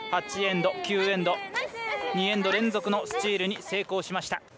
８エンド、９エンド２エンド連続のスチールに成功しました。